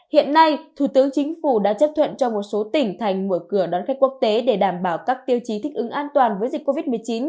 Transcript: hiện nay thủ tướng chính phủ đã chấp thuận cho một số tỉnh thành mở cửa đón khách quốc tế để đảm bảo các tiêu chí thích ứng an toàn với dịch covid một mươi chín